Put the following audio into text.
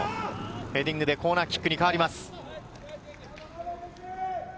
ヘディングでコーナーキックに変わります。